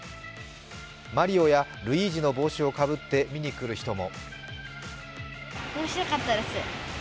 マリオやルイージの帽子をかぶって見に来る人も。